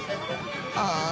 ああ。